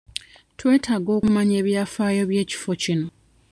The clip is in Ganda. Twetaaga okumanya ebyafaayo by'ekifo kino.